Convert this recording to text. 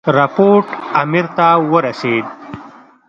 رپوټ امیر ته ورسېد.